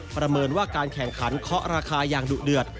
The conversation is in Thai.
ประเมินว่าการแข่งขันเคาะราคาอย่างดุเดือด